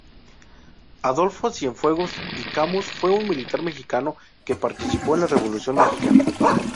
Adolfo Cienfuegos y Camus fue un militar mexicano que participó en la Revolución mexicana.